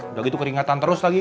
udah gitu keringatan terus lagi